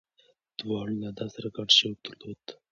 دواړو له ادب سره ګډ شوق درلود.